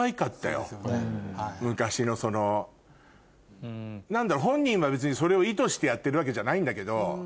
昔のその何だろう本人は別にそれを意図してやってるわけじゃないんだけど。